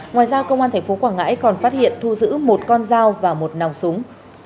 ngoài ra công an tp quảng ngãi còn phát hiện thu giữ một con dao và một nòng súng